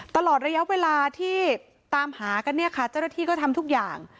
ตลอดระยะเวลาที่ตามหากันเนี่ยค่ะเจ้าหน้าที่ก็ทำทุกอย่าง